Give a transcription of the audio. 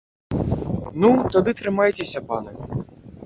Ну, тады трымайцеся, паны!